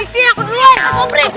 istri aku dulu aku sombri